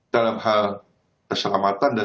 dalam hal keselamatan dan